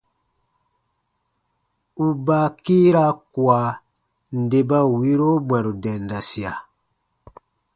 U baa kiira kua nde ba wiiro bwɛ̃ru dendasia.